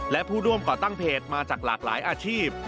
และผู้ร่วมก่อตั้งเพจมาจากหลากหลายอาชีพ